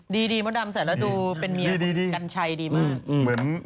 ดีมัวดำใส่แล้วดูเป็นเมียกัญชัยดีมาก